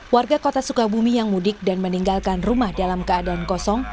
warga kota sukabumi yang mudik dan meninggalkan rumah dalam keadaan kosong